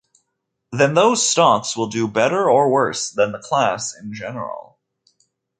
Then those stocks will do better or worse than the class in general.